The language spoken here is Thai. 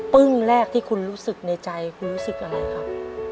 ปึ้งแรกที่คุณรู้สึกในใจคุณรู้สึกอะไรครับ